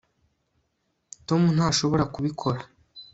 tom ntashobora kubikora